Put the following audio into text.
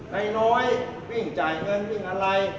นายน้อยวิ่งจ่ายเงินวิ่งอะไร